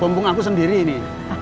bumbung aku sendiri nih